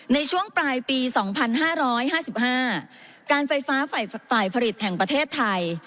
ในช่วงปลายปี๒๕๕๕การไฟฟ้าฝ่ายผลิตแห่งประเทศไทย